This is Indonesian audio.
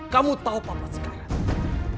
kamu tau papa sekarang